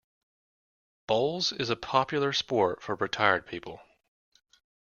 Bowls is a popular sport for retired people